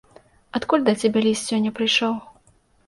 Адкуль да цябе ліст сёння прыйшоў?